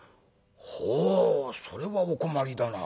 「ほうそれはお困りだな。